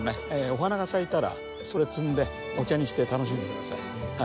お花が咲いたらそれ摘んでお茶にして楽しんで下さい。